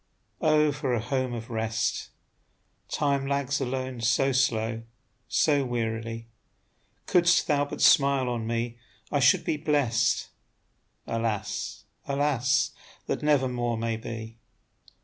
Oh, for a home of rest! Time lags alone so slow, so wearily; Couldst thou but smile on me, I should be blest. Alas, alas! that never more may be.